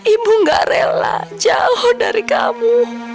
ibu gak rela jauh dari kamu